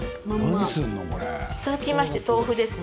続きまして、豆腐ですね。